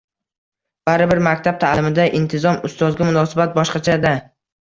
Baribir maktab taʼlimida intizom, ustozga munosabat boshqacha-da!